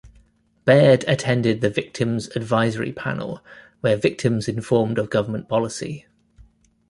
Baird attended the Victims' Advisory Panel where victims informed of Government policy.